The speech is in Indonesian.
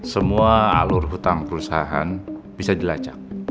semua alur hutang perusahaan bisa dilacak